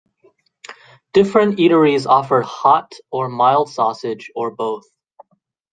Different eateries offer hot or mild sausage, or both.